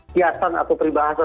kiasan atau peribahasa